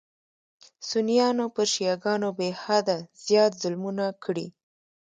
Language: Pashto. سنیانو پر شیعه ګانو بېحده زیات ظلمونه کړي.